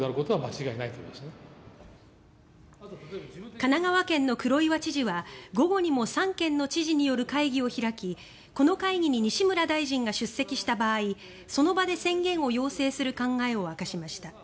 神奈川県の黒岩知事は午後にも３県の知事による会議を開きこの会議に西村大臣が出席した場合その場で宣言を要請する考えを明らかにしました。